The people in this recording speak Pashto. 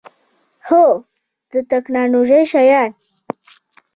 هو، د تکنالوژۍ شیان